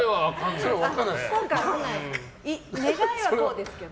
願いは×ですけど。